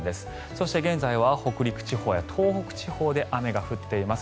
そして、現在は北陸地方や東北地方で雨が降っています。